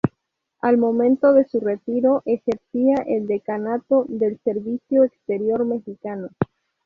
Al momento de su retiro, ejercía el decanato del servicio exterior mexicano.